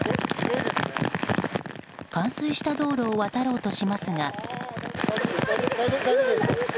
冠水した道路を渡ろうとしますが。